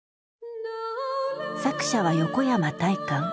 作者は横山大観。